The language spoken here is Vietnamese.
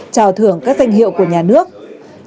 trào thưởng các danh hiệu của nhà nước